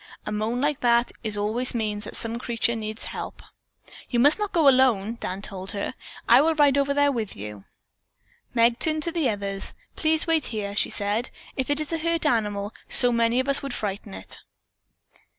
A moan like that always means that some creature needs help." "You must not go alone," Dan told her. "I will ride over there with you." Meg turned to the others. "Please wait here," she said. "If it is a hurt animal, so many of us would frighten it."